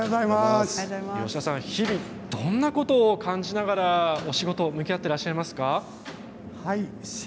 日々どんなことを感じながらお仕事と向き合っていらっしゃいますか。